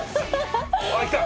あっきた！